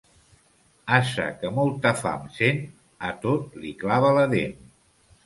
Ase que molta fam sent, a tot li clava la dent.